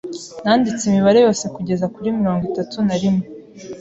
Nanditse imibare yose kugeza kuri mirongo itatu na rimwe.